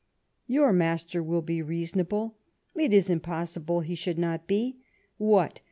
" Your master •will be reasonable — it is impossible lie should n«t be. What